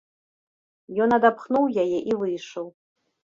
Ён адапхнуў яе і выйшаў.